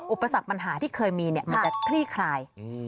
อุปสรรคปัญหาที่เคยมีเนี่ยมันจะคลี่คลาย